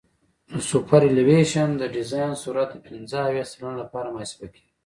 سوپرایلیویشن د ډیزاین سرعت د پنځه اویا سلنه لپاره محاسبه کیږي